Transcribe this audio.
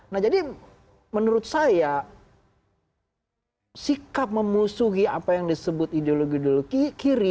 nah jadi menurut saya sikap memusuhi apa yang disebut ideologi ideologi kiri